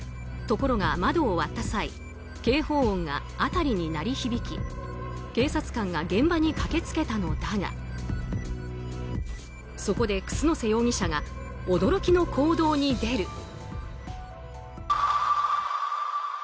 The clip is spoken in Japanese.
ところが窓を割った際警報音が辺りに鳴り響き警察官が現場に駆け付けたのだがそこで楠瀬容疑者が驚きの行動に出る。